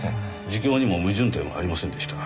自供にも矛盾点はありませんでした。